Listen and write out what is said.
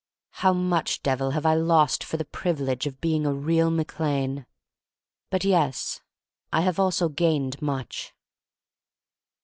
How much, Devil, have I lost for the privilege of being a real Mac Lane? But yes, I have also gained much.